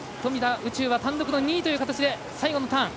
宇宙は単独の２位という形で最後のターン。